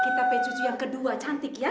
kita p tujuh yang kedua cantik ya